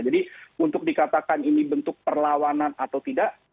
jadi untuk dikatakan ini bentuk perlawanan atau tidak